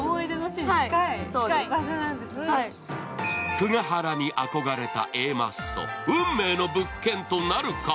久が原にあこがれたＡマッソ、運命の物件となるか？